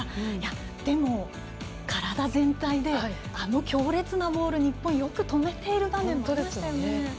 でも、体全体であの強烈なボールを日本よく止めている場面ありましたよね。